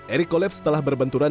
eri kolaps setelah berbenturan